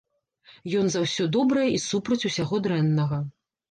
Ён за ўсё добрае і супраць усяго дрэннага.